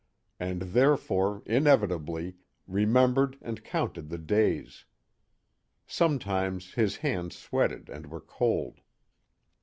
And therefore, inevitably, remembered and counted the days. Sometimes his hands sweated and were cold.